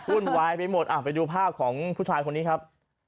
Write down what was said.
วุ่นวายไปหมดไปดูภาพของผู้ชายคนนี้ครับ